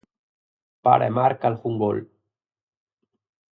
Para e marca algún gol.